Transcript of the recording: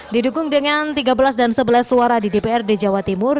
didukung dengan tiga belas dan sebelas suara di dprd jawa timur